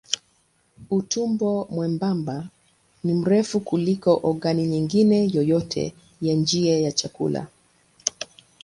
Utumbo mwembamba ni mrefu kuliko ogani nyingine yoyote ya njia ya chakula.